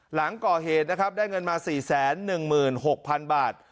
หลังก่อเหตุนะครับได้เงินมา๔๑๖๐๐๐บาท